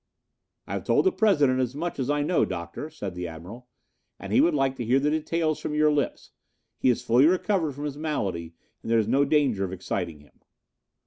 "I have told the President as much as I know, Doctor," said the Admiral, "and he would like to hear the details from your lips. He has fully recovered from his malady and there is no danger of exciting him."